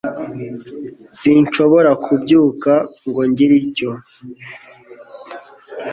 Sinshobora kubyuka ngo ngire icyo